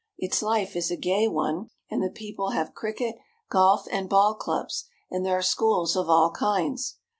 Its life is a gay one, and the people have cricket, golf, and ball clubs, and there are schools of all kinds.